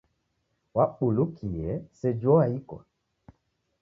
Wabulukie, seji oaikwa!